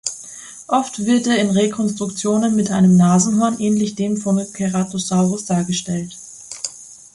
Oft wird er in Rekonstruktionen mit einem Nasenhorn, ähnlich dem von "Ceratosaurus" dargestellt.